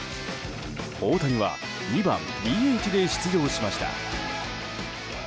大谷は２番ＤＨで出場しました。